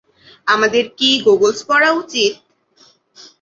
আমাদের কি গগলস পরা উচিত?